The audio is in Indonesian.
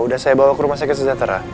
udah saya bawa ke rumah sakit sejahtera